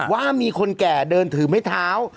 ว่ามีคนแก่เดินถือไม้เท้า